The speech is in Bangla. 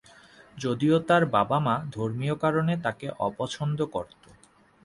যদিও তার বাবা-মা ধর্মীয় কারণে তাকে অপছন্দ করত।